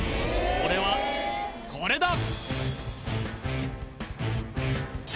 それはこれだ！